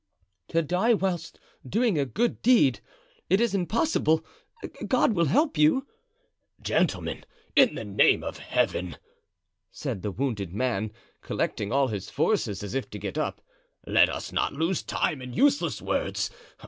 "To die whilst doing a good deed! It is impossible. God will help you." "Gentlemen, in the name of Heaven!" said the wounded man, collecting all his forces, as if to get up, "let us not lose time in useless words.